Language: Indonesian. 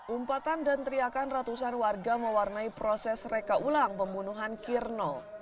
umpatan dan teriakan ratusan warga mewarnai proses reka ulang pembunuhan kirno